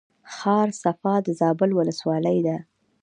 ښار صفا د زابل ولسوالۍ ده